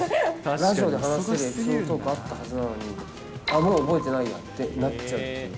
ラジオで話せるエピソードトーク、あったはずなのに、もう覚えてないやってなっちゃうっていうか。